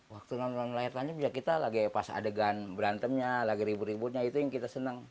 waktu nonton layar tancap ya kita lagi pas adegan berantemnya lagi ribut ributnya itu yang kita senang